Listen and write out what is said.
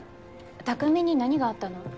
匠に何があったの？